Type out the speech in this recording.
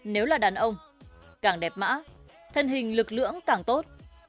nếu là đàn ông càng đẹp mã thân hình lực lượng càng tốt